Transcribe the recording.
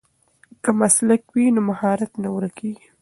که مسلک وي نو مهارت نه ورکېږي.